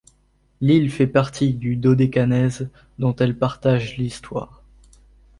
L'île fait partie du Dodécanèse dont elle partage l'histoire.